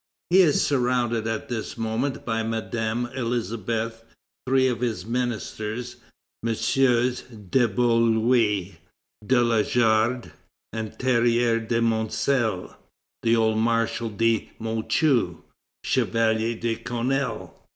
He is surrounded at this moment by Madame Elisabeth, three of his ministers (MM. de Beaulieu, de Lajard, and Terrier de Montciel), the old Marshal de Mouchy, Chevalier de Canolle, M.